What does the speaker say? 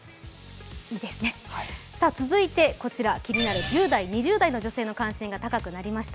続いて気になる１０代、２０代の女性の関心度が高くなりました。